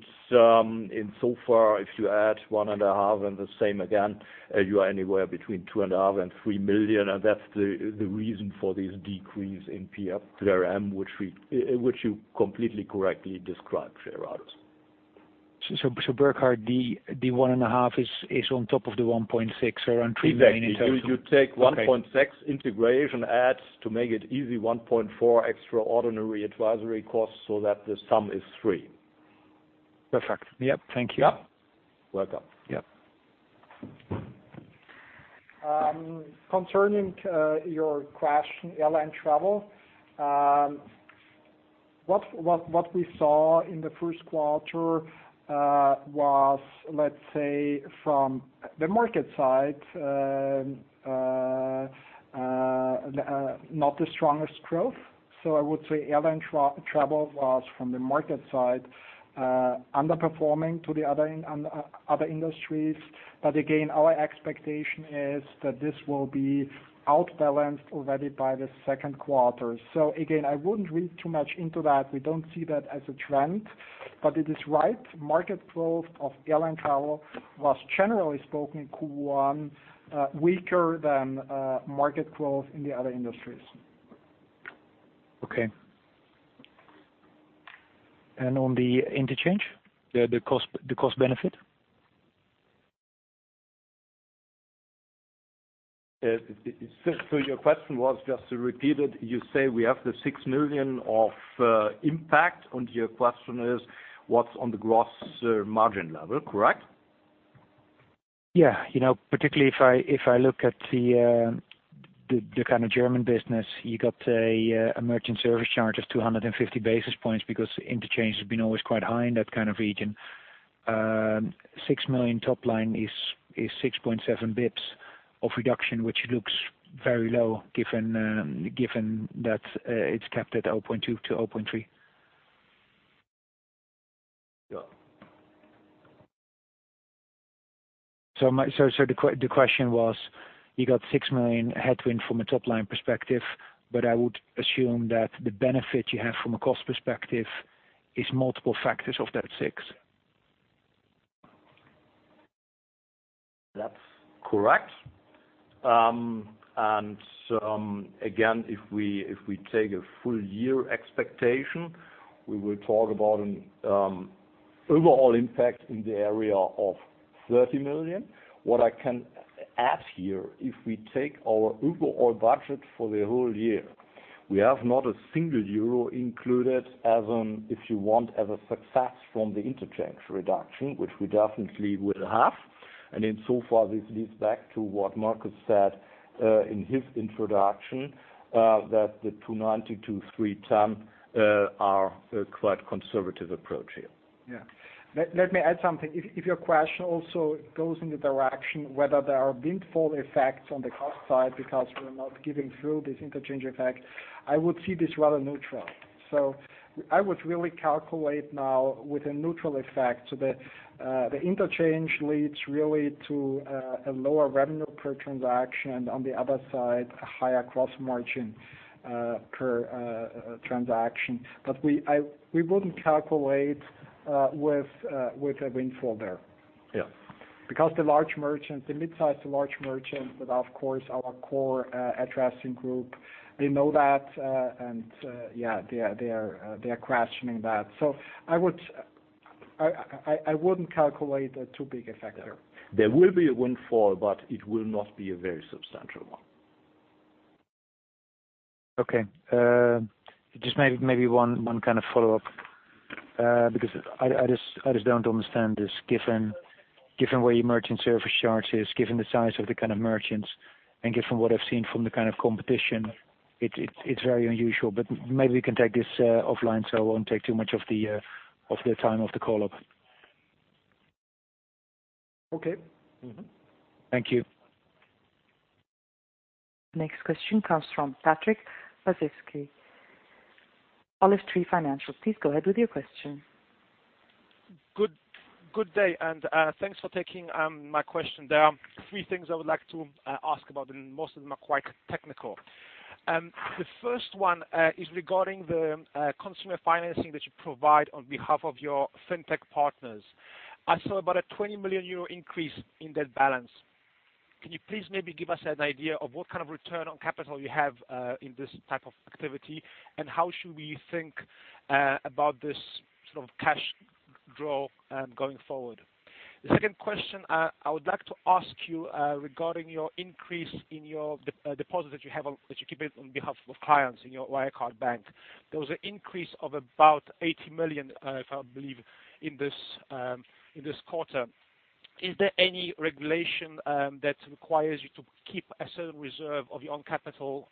if you add one and a half million and the same again, you are anywhere between two and a half million and 3 million, and that's the reason for this decrease in PP&RM which you completely correctly described, Gerard. Burkhard, the one and a half million is on top of the 1.6 million, around EUR 3 million total. Exactly. You take 1.6 million integration adds, to make it easy, 1.4 million extraordinary advisory costs so that the sum is 3 million. Perfect. Yep. Thank you. Welcome. Yep. Concerning your question, airline travel. What we saw in the first quarter was, let's say, from the market side, not the strongest growth. I would say airline travel was, from the market side, underperforming to the other industries. Again, our expectation is that this will be outbalanced already by the second quarter. Again, I wouldn't read too much into that. We don't see that as a trend. It is right, market growth of airline travel was, generally spoken, Q1 weaker than market growth in the other industries. Okay. On the interchange? The cost benefit. Your question was, just to repeat it, you say we have the 6 million of impact, and your question is what's on the gross margin level, correct? Particularly if I look at the German business, you got a merchant service charge of 250 basis points because interchange has been always quite high in that region. 6 million top line is 6.7 basis points of reduction, which looks very low given that it's capped at 0.2%-0.3%. Yeah. The question was, you got 6 million headwind from a top-line perspective, but I would assume that the benefit you have from a cost perspective is multiple factors of that 6. That's correct. Again, if we take a full-year expectation, we will talk about an overall impact in the area of 30 million. What I can add here, if we take our overall budget for the whole year, we have not a single euro included as an, if you want, as a success from the interchange reduction, which we definitely will have. Insofar, this leads back to what Markus said in his introduction, that the 290 million-310 million are a quite conservative approach here. Yeah. Let me add something. If your question also goes in the direction whether there are windfall effects on the cost side because we're not giving through this interchange effect, I would see this rather neutral. I would really calculate now with a neutral effect. The interchange leads really to a lower revenue per transaction, on the other side, a higher cross margin per transaction. We wouldn't calculate with a windfall there. Yeah. The midsize to large merchants, but of course our core addressing group, they know that and yeah, they are questioning that. I wouldn't calculate a too big effect there. There will be a windfall, but it will not be a very substantial one. Okay. Just maybe one follow-up. I just don't understand this, given where your merchant service charge is, given the size of the merchants, and given what I've seen from the competition, it's very unusual. Maybe we can take this offline so I won't take too much of the time of the call up. Okay. Thank you. Next question comes from Patrick Pacisky, Olive Tree Financial. Please go ahead with your question. Good day, and thanks for taking my question. There are three things I would like to ask about, and most of them are quite technical. The first one is regarding the consumer financing that you provide on behalf of your fintech partners. I saw about a €20 million increase in that balance. Can you please maybe give us an idea of what kind of return on capital you have in this type of activity, and how should we think about this sort of cash draw going forward? The second question I would like to ask you regarding your increase in your deposit that you keep on behalf of clients in your Wirecard Bank. There was an increase of about 80 million, if I believe, in this quarter. Is there any regulation that requires you to keep a certain reserve of your own capital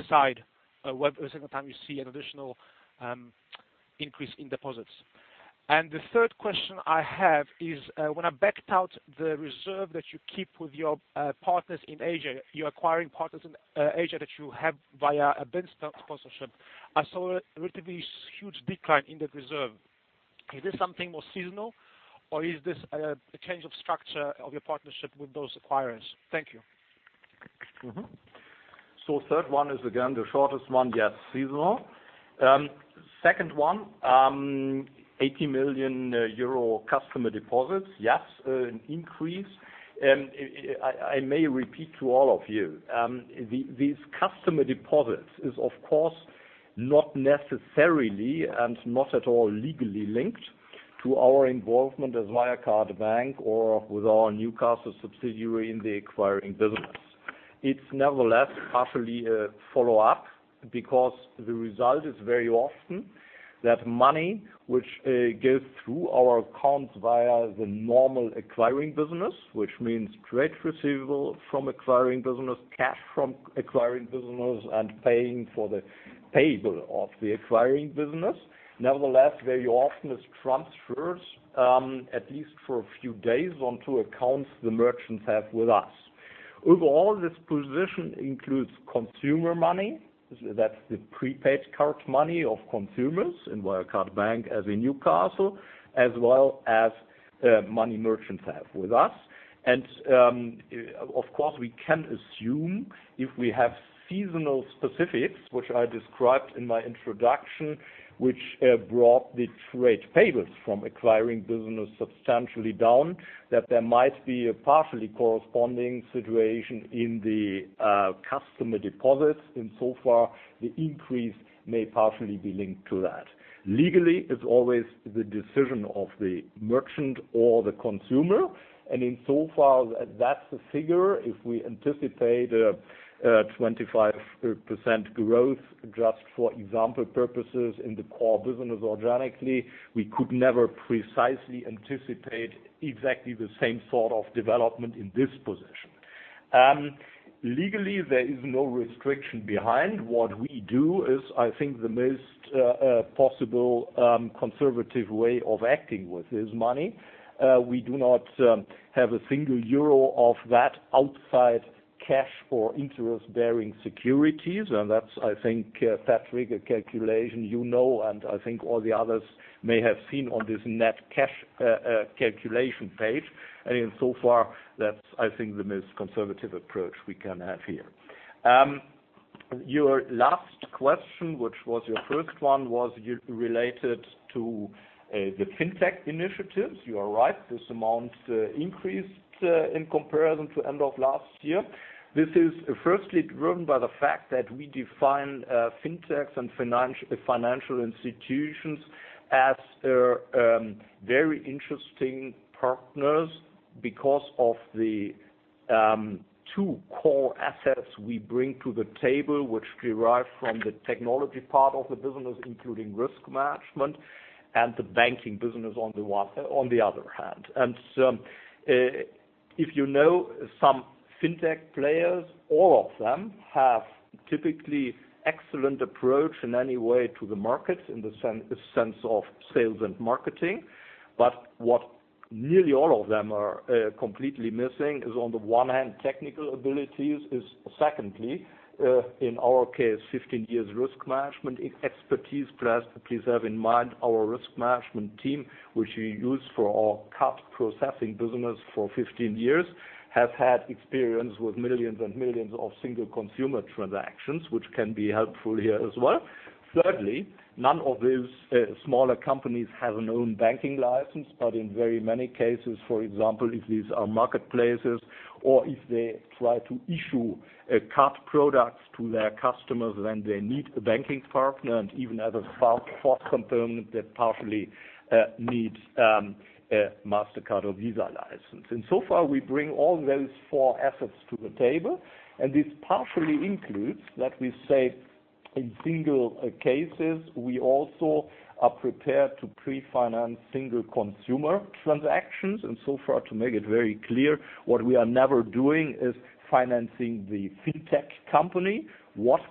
aside every single time you see an additional increase in deposits? The third question I have is, when I backed out the reserve that you keep with your partners in Asia, you're acquiring partners in Asia that you have via a BIN sponsorship. I saw a relatively huge decline in that reserve. Is this something more seasonal, or is this a change of structure of your partnership with those acquirers? Thank you. Third one is again, the shortest one. Seasonal. Second one, 80 million euro customer deposits. An increase. I may repeat to all of you. These customer deposits is, of course, not necessarily and not at all legally linked to our involvement as Wirecard Bank or with our Newcastle subsidiary in the acquiring business. It's nevertheless partially a follow-up because the result is very often that money which goes through our accounts via the normal acquiring business, which means trade receivable from acquiring business, cash from acquiring business, and paying for the payable of the acquiring business. Nevertheless, very often is transfers, at least for a few days, onto accounts the merchants have with us. Overall, this position includes consumer money. That's the prepaid card money of consumers in Wirecard Bank as in Newcastle, as well as money merchants have with us. Of course, we can assume if we have seasonal specifics, which I described in my introduction, which brought the trade payables from acquiring business substantially down, that there might be a partially corresponding situation in the customer deposits. In so far, the increase may partially be linked to that. Legally, it's always the decision of the merchant or the consumer. In so far, that's the figure. If we anticipate a 25% growth, just for example purposes, in the core business organically, we could never precisely anticipate exactly the same sort of development in this position. Legally, there is no restriction behind what we do is, I think, the most possible conservative way of acting with this money. We do not have a single EUR of that outside cash or interest-bearing securities. That's, I think, Patrick, a calculation you know, and I think all the others may have seen on this net cash calculation page. In so far, that's, I think, the most conservative approach we can have here. Your last question, which was your first one, was related to the fintech initiatives. You are right. This amount increased in comparison to end of last year. This is firstly driven by the fact that we define fintechs and financial institutions as very interesting partners because of the two core assets we bring to the table, which derive from the technology part of the business, including risk management and the banking business on the other hand. If you know some fintech players, all of them have typically excellent approach in any way to the market in the sense of sales and marketing. What nearly all of them are completely missing is, on the one hand, technical abilities, is secondly, in our case, 15 years risk management expertise. Plus, please have in mind our risk management team, which we use for our card processing business for 15 years, has had experience with millions and millions of single consumer transactions, which can be helpful here as well. Thirdly, none of these smaller companies have an own banking license, but in very many cases, for example, if these are marketplaces or if they try to issue card products to their customers, then they need a banking partner and even as a fourth component, that partially needs Mastercard or Visa license. In so far, we bring all those four assets to the table, and this partially includes that we say In single cases, we also are prepared to pre-finance single consumer transactions. So far to make it very clear, what we are never doing is financing the fintech company.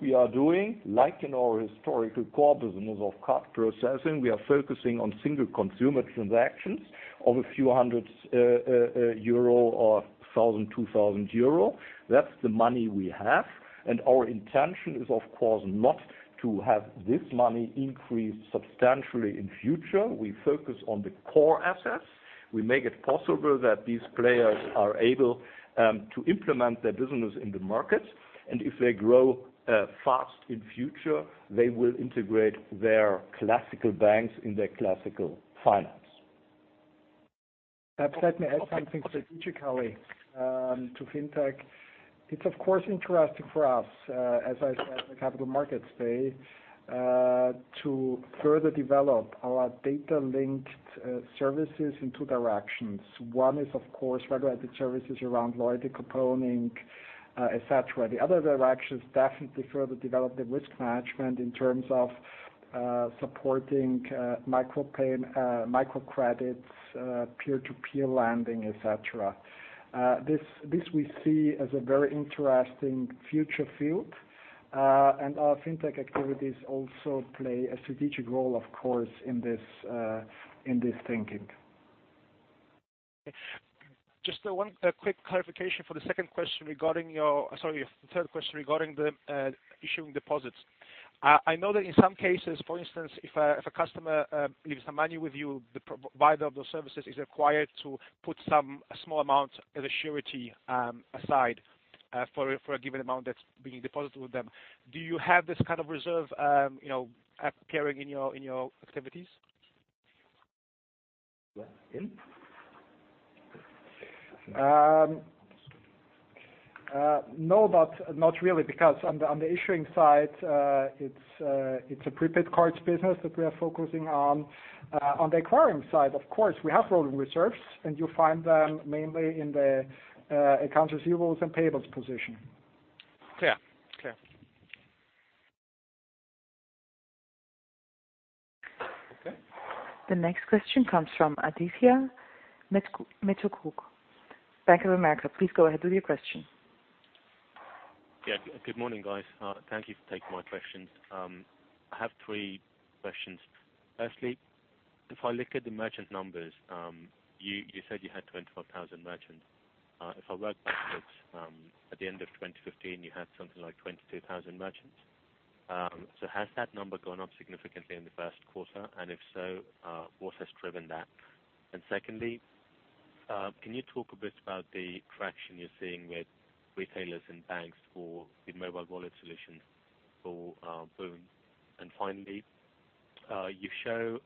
We are doing, like in our historical core business of card processing, we are focusing on single consumer transactions of a few hundred euro or 1,000, 2,000 euro. That's the money we have. Our intention is, of course, not to have this money increase substantially in future. We focus on the core assets. We make it possible that these players are able to implement their business in the market, and if they grow fast in future, they will integrate their classical banks in their classical finance. Perhaps let me add something strategically to fintech. It's of course interesting for us, as I said at the Capital Markets Day, to further develop our data-linked services in two directions. One is, of course, regulated services around loyalty component, et cetera. The other direction is definitely further develop the risk management in terms of supporting microcredits, peer-to-peer lending, et cetera. This we see as a very interesting future field. Our fintech activities also play a strategic role, of course, in this thinking. Just one quick clarification for the second question regarding the third question regarding the issuing deposits. I know that in some cases, for instance, if a customer leaves some money with you, the provider of those services is required to put some small amount as a surety aside for a given amount that's being deposited with them. Do you have this kind of reserve appearing in your activities? No, not really, because on the issuing side, it's a prepaid cards business that we are focusing on. On the acquiring side, of course, we have rolling reserves, and you'll find them mainly in the accounts receivables and payables position. Clear. Okay. The next question comes from Adithya Metuku, Bank of America. Please go ahead with your question. Good morning, guys. Thank you for taking my questions. I have three questions. Firstly, if I look at the merchant numbers, you said you had 24,000 merchants. If I read backwards, at the end of 2015, you had something like 22,000 merchants. Has that number gone up significantly in the first quarter, and if so, what has driven that? Secondly, can you talk a bit about the traction you're seeing with retailers and banks for the mobile wallet solution for boon? Finally, you show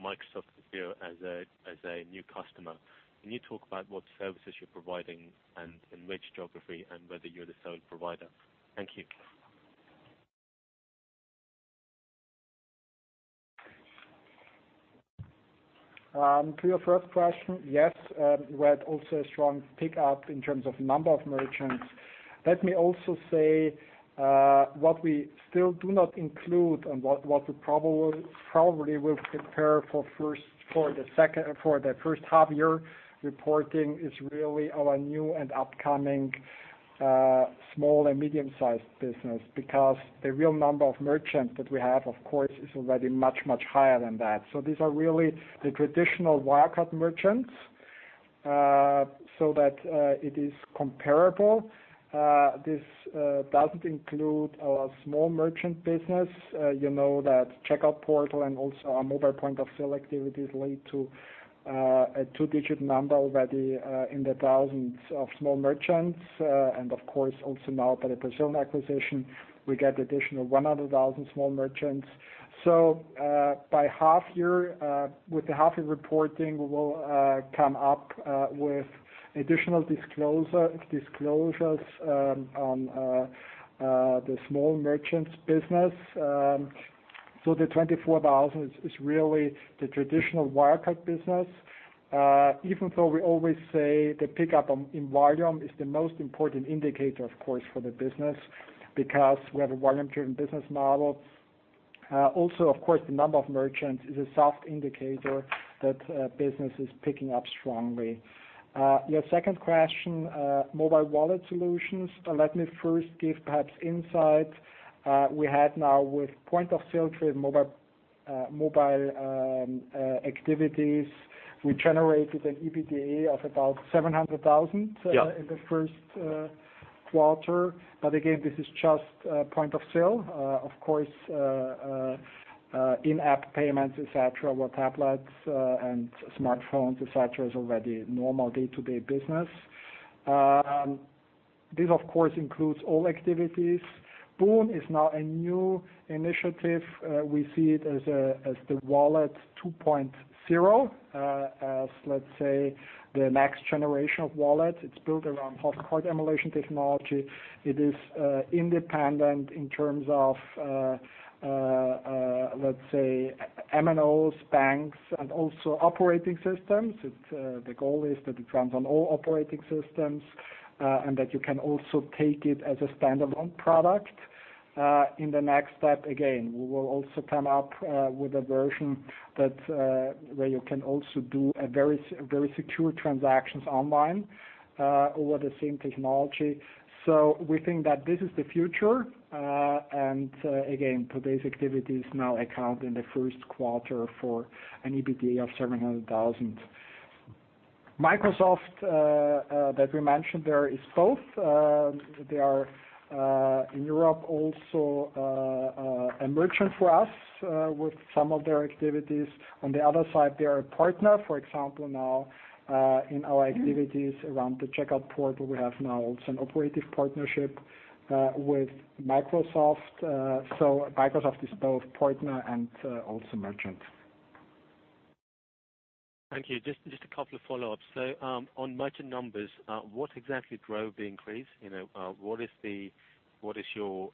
Microsoft Azure as a new customer. Can you talk about what services you're providing and in which geography, and whether you're the sole provider? Thank you. To your first question, yes. We had also a strong pick-up in terms of number of merchants. Let me also say, what we still do not include and what we probably will prepare for the first half year reporting is really our new and upcoming small and medium-sized business, because the real number of merchants that we have, of course, is already much, much higher than that. These are really the traditional Wirecard merchants, so that it is comparable. This doesn't include our small merchant business. You know that Checkout Portal and also our mobile point of sale activities lead to a two-digit number already in the thousands of small merchants. Of course, also now by the [Moip] acquisition, we get additional 100,000 small merchants. With the half year reporting, we will come up with additional disclosures on the small merchants business. The 24,000 is really the traditional Wirecard business. Even though we always say the pick-up in volume is the most important indicator, of course, for the business, because we have a volume-driven business model. Also, of course, the number of merchants is a soft indicator that business is picking up strongly. Your second question, mobile wallet solutions. Let me first give perhaps insight. We had now with point of sale trade mobile activities, we generated an EBITDA of about 700,000- Yeah in the first quarter. Again, this is just a point of sale. Of course, in-app payments, et cetera, or tablets, and smartphones, et cetera, is already normal day-to-day business. This of course, includes all activities. boon is now a new initiative. We see it as the Wallet 2.0, as let's say the next generation of wallet. It is built around host card emulation technology. It is independent in terms of Let's say MNOs, banks, and also operating systems. The goal is that it runs on all operating systems, and that you can also take it as a standalone product. In the next step, again, we will also come up with a version where you can also do very secure transactions online over the same technology. We think that this is the future. Again, today's activities now account in the first quarter for an EBITDA of 700,000. Microsoft, that we mentioned there, is both. They are in Europe also a merchant for us with some of their activities. On the other side, they are a partner. For example, now in our activities around the Checkout Portal, we have now also an operative partnership with Microsoft. Microsoft is both partner and also merchant. Thank you. Just a couple of follow-ups. On merchant numbers, what exactly drove the increase? What is your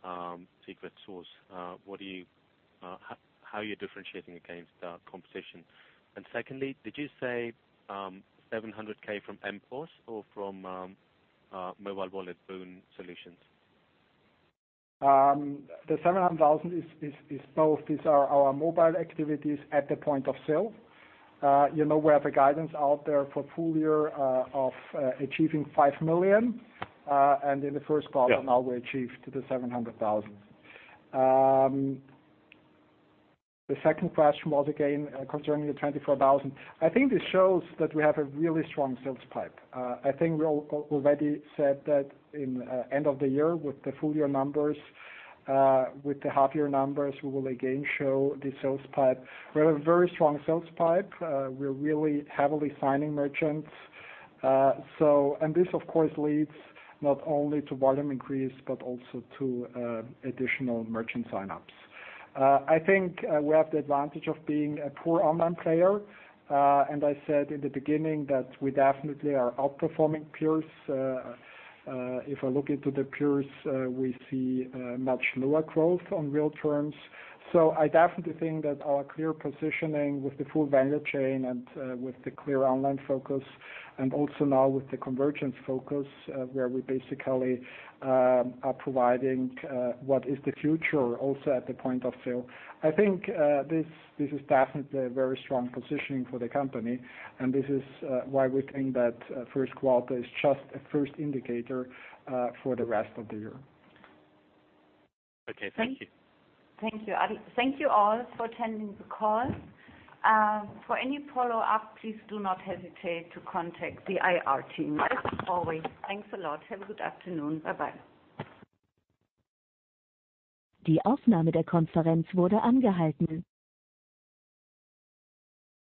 secret sauce? How are you differentiating against competition? Secondly, did you say 700,000 from MPOS or from mobile wallet boon solutions? The 700,000 is both. These are our mobile activities at the point of sale. We have a guidance out there for full year of achieving 5 million. In the first quarter. Yeah Now we achieved the 700,000. The second question was again concerning the 24,000. I think this shows that we have a really strong sales pipe. I think we already said that at the end of the year with the full year numbers, with the half year numbers, we will again show the sales pipe. We have a very strong sales pipe. We're really heavily signing merchants. This, of course, leads not only to volume increase but also to additional merchant sign-ups. I think we have the advantage of being a pure online player. I said in the beginning that we definitely are outperforming peers. If I look into the peers, we see much lower growth on real terms. I definitely think that our clear positioning with the full vendor chain and with the clear online focus, and also now with the convergence focus, where we basically are providing what is the future also at the point of sale. I think this is definitely a very strong positioning for the company, and this is why we think that first quarter is just a first indicator for the rest of the year. Okay, thank you. Thank you. Thank you all for attending the call. For any follow-up, please do not hesitate to contact the IR team. As always, thanks a lot. Have a good afternoon. Bye-bye.